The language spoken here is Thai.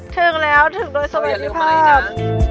ถึงแล้วถึงโดยสวัสดีครับ